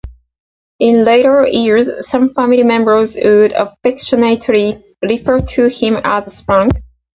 In later years some family members would affectionately refer to him as Spank.